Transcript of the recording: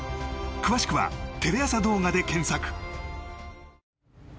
詳しくはテレ朝動画で検索。